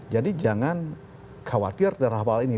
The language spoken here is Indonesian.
jadi jangan khawatir dari hal ini